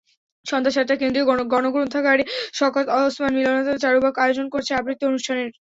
সন্ধ্যা সাতটায় কেন্দ্রীয় গণগ্রন্থাগারের শওকত ওসমান মিলনায়তনে চারুবাক আয়োজন করেছে আবৃত্তি অনুষ্ঠানের।